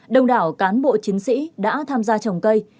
đông đảo cán bộ chiến sĩ đã tham gia trồng cây